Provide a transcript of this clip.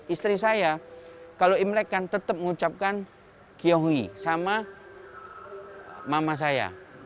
istri saya kalau imlek kan tetap mengucapkan kiyohui sama mama saya